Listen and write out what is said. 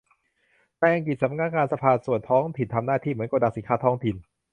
ในอังกฤษ สำนักงานสภาส่วนท้องถิ่นทำหน้าที่เหมือนโกดังสินค้าท้องถิ่น